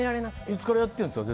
いつからやってるんですか？